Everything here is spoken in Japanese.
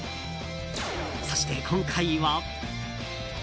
そして今回は。